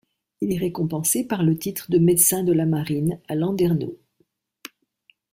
Il est récompensé par le titre de médecin de la Marine à Landerneau.